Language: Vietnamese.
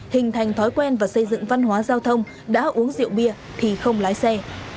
hình thành thói quen và xây dựng văn hóa giao thông đã uống rượu bia thì không lái xe